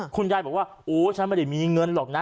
คุณยายบอกว่าโอ้ฉันไม่ได้มีเงินหรอกนะ